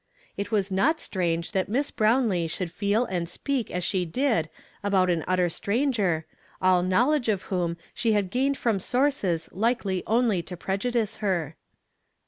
It was not strange that Miss Brownlee should feel and speak as she did about an utter stranger, all knowledge of whom she had gained from sources likely only to prejudice her.